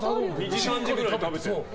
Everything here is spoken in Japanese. ２時、３時くらいに食べてる。